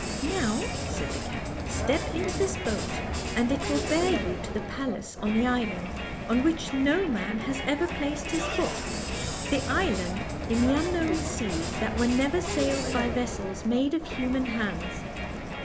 " Now," said the cat, " step into this boat and it will bear you to the palace on the island on which no man has ever placed his foot the island in the unknown seas that were never sailed by vessels made of human hands.